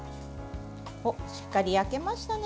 しっかり焼けましたね。